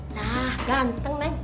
nah ganteng neng